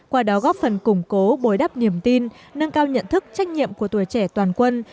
qua đó góp phần củng cố bồi đắp niềm tin nâng cao nhận thức trách nhiệm của tuổi trẻ toàn quân